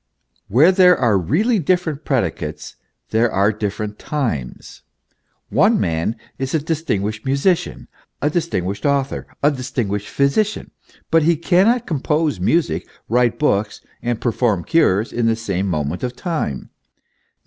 Where there are really different predicates, there are different times. One man is a distinguished musician, a distinguished author, a distinguished physician ; but he cannot compose music, write books, and perform cures in the same moment of time.